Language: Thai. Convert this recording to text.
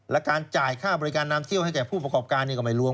และการจ่ายค่าบริการนำเที่ยวให้แก่ผู้ประกอบการก็ไม่รวม